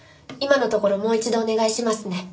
今のところもう一度お願いしますね。